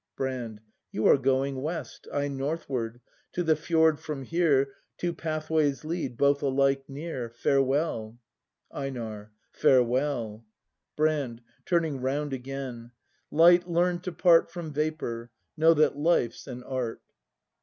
Brand. You are going west, I northward. To the fjord from here Two pathways lead, — both alike near. Farewell ! EiNAR. Farewell. Brand. [Turning round again.] Light learn to part From vapour. — Know that Life's an art!